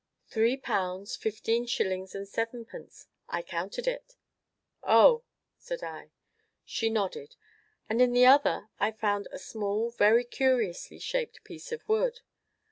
"Three pounds, fifteen shillings, and sevenpence. I counted it." "Oh!" said I. She nodded. "And in the other I found a small, very curiously shaped piece of wood."